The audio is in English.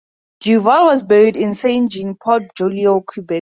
Duval was buried in Saint-Jean-Port-Joli, Quebec.